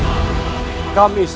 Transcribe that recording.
bagaimana kalau ke olha ke itu